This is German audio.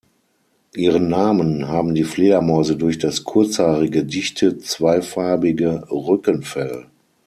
Ihren Namen haben die Fledermäuse durch das kurzhaarige, dichte zweifarbige Rückenfell.